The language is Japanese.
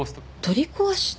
取り壊した？